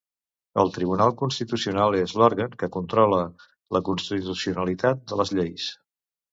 El Tribunal Constitucional és l'òrgan que controla la constitucionalitat de les lleis.